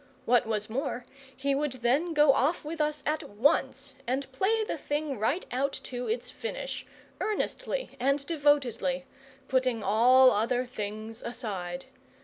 What was more he would then go off with us at once and play the thing right out to its finish, earnestly and devotedly, putting all other things aside.